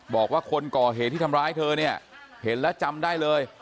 บอกว่าคนก่อเหตุที่ทำร้ายเธอเนี่ยเห็นแล้วจำได้เลย